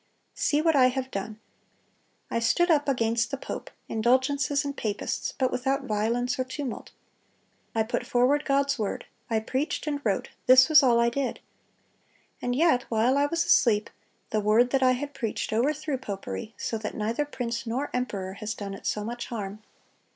See what I have done. I stood up against the pope, indulgences, and papists, but without violence or tumult. I put forward God's word; I preached and wrote—this was all I did. And yet while I was asleep, ... the word that I had preached overthrew popery, so that neither prince nor emperor has done it so much harm.